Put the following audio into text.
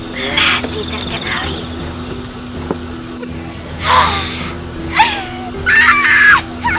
belati terkenal itu